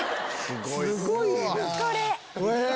すごい！